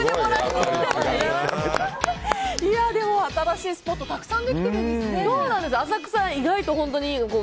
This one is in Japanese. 新しいスポットがたくさんできてるんですね。